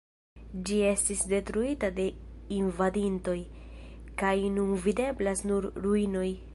Ĝi estis detruita de invadintoj, kaj nun videblas nur ruinoj.